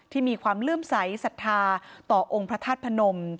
ที่มีความเลื่อมใสสัทธาต่อองค์พระธาตุพนม